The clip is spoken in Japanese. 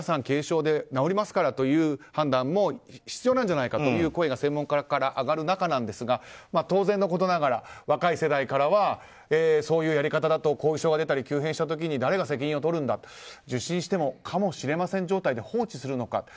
軽症で治りますからという判断も必要なんじゃないかという声も専門家から上がる中なんですが当然のことながら若い世代からはそういうやり方だと後遺症が出たり急変した時に誰が責任を取るんだとか受診してもかもしれません状態で放置するのか。